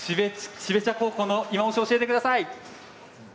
標茶高校のいまオシを教えてください。